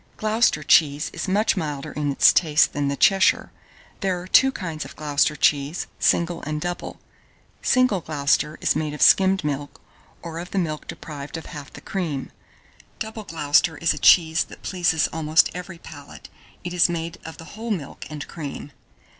Gloucester cheese is much milder in its taste than the Cheshire. There are two kinds of Gloucester cheese, single and double. Single Gloucester is made of skimmed milk, or of the milk deprived of half the cream; Double Gloucester is a cheese that pleases almost every palate: it is made of the whole milk and cream.